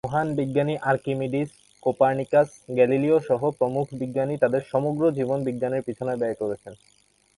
মহান বিজ্ঞানী Archimedes, Copernicus, গ্যালিলিওসহ প্রমুখ বিজ্ঞানী তাদের সমগ্র জীবন বিজ্ঞানের পিছনে ব্যয় করেছেন।